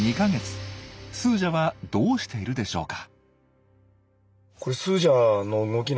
スージャはどうしているでしょうか。